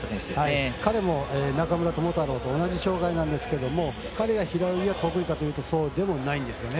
彼も中村智太郎と同じ障がいなんですけど彼が平泳ぎが得意かというとそうでもないんですよね。